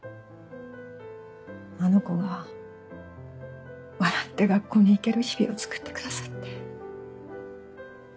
あの子が笑って学校に行ける日々をつくってくださって。